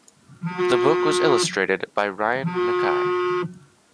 The book was illustrated by Ryan Nakai.